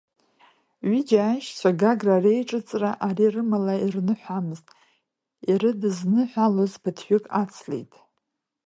Ҩыџьа аешьцәа Гагра реиҿыҵра ари рымала ирныҳәамызт, ирыдызныҳәалоз ԥыҭҩык ацлеит.